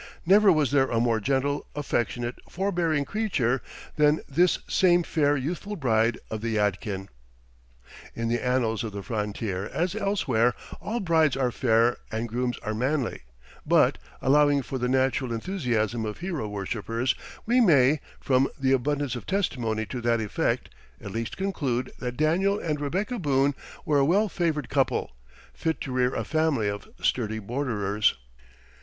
Never was there a more gentle, affectionate, forbearing creature than this same fair youthful bride of the Yadkin." In the annals of the frontier, as elsewhere, all brides are fair and grooms are manly; but, allowing for the natural enthusiasm of hero worshipers, we may, from the abundance of testimony to that effect, at least conclude that Daniel and Rebecca Boone were a well favored couple, fit to rear a family of sturdy borderers.